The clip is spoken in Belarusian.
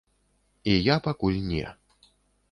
І я пакуль не.